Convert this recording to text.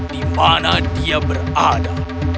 dimana dia berada